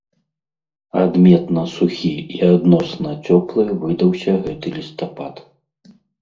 Адметна сухі і адносна цёплы выдаўся гэты лістапад.